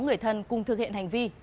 người thân cùng thực hiện hành vi